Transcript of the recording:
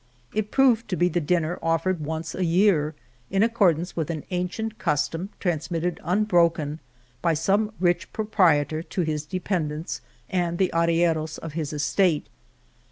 It proved to be the dinner offered once a year, in accord ance with an ancient custom transmitted un broken, by some rich proprietor to his dependants and the arrieros of his estate.